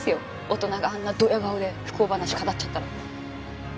大人があんなドヤ顔で不幸話語っちゃったら。